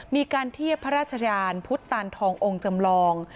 มีการเทียบพระราชดานพุทธตานทององค์จำลอง